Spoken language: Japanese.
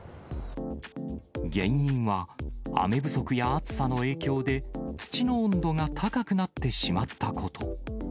原因は、雨不足や暑さの影響で土の温度が高くなってしまったこと。